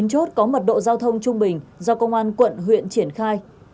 bốn chốt có mật độ giao thông trung bình do công an quận huyện triển khai